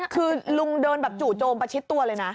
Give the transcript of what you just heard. คือลุงเดินแบบจู่โจมประชิดตัวเลยนะ